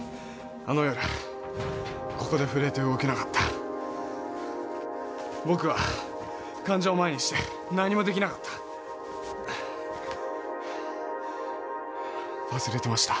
あの夜ここで震えて動けなかった僕は患者を前にして何もできなかった忘れてました